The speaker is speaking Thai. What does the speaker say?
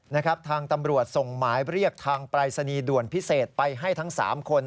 ทางตำรวจส่งหมายเรียกทางปรายศนีย์ด่วนพิเศษไปให้ทั้งสามคน